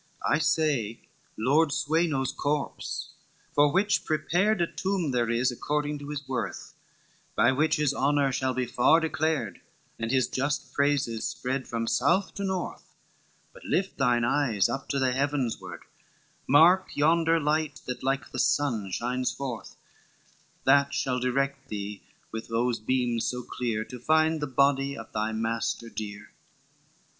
XXXI "'I say Lord Sweno's corpse, for which prepared A tomb there is according to his worth, By which his honor shall be far declared, And his just praises spread from south to north:" But lift thine eyes up to the heavens ward, Mark yonder light that like the sun shines forth That shall direct thee with those beams so clear, To find the body of thy master dear.